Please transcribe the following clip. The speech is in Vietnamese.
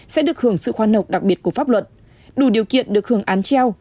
sẽ được hưởng sự khoan nộp đặc biệt của pháp luận đủ điều kiện được hưởng án treo